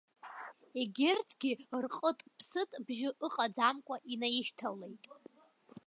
Егьырҭгьы рҟыт-ԥсыт бжьы ыҟаӡамкәа инаишьҭалеит.